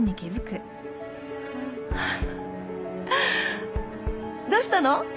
・どうしたの？